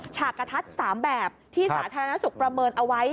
ฉากกระทัด๓แบบที่สาธารณสุขประเมินเอาไว้